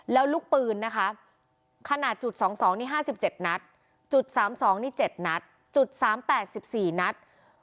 แล้วลูกปืนนะคะขนาดจุด๒๒นี่๕๗นัดจุด๓๒นี่๗นัดจุด๓๘๑๔นัด